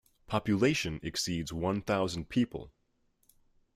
Population exceeds one thousand people.